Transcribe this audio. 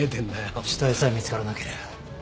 死体さえ見つからなけりゃ失踪扱いだ